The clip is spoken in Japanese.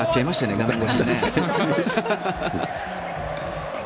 画面越しで。